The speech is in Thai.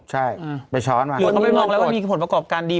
ใช่เขาไปมองแล้วว่ามีผลประกอบการดี